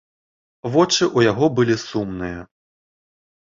Вочы ў яго былі сумныя.